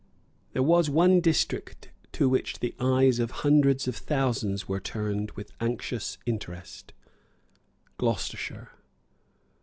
There was one district to which the eyes of hundreds of thousands were turned with anxious interest, Gloucestershire.